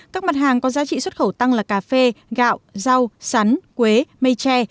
các mặt hàng có giá trị xuất khẩu tăng là cà phê gạo rau sắn quế mây tre